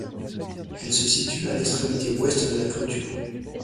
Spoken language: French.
Elle se situe à l'extrémité ouest de la clôture.